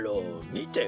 みて？